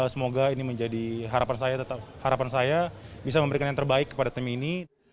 semoga ini menjadi harapan saya tetap harapan saya bisa memberikan yang terbaik kepada tim ini